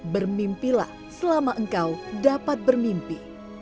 bermimpilah selama engkau dapat bermimpi